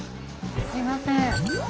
すいません。